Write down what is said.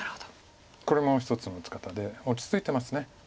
これも一つの打ち方で落ち着いてます。